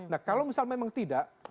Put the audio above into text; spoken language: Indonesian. nah kalau misal memang tidak